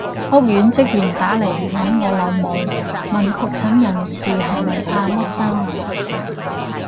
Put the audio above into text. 屋苑職員打嚟搵我老母，問確診人士係咪阿乜生啊？